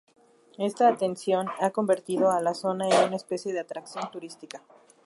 Esta atención ha convertido a la zona en una especie de atracción turística.